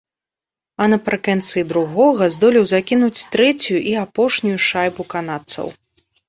А напрыканцы другога здолеў закінуць трэцюю і апошнюю шайбу канадцаў.